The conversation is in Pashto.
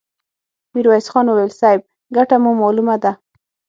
ميرويس خان وويل: صيب! ګټه مو مالومه ده!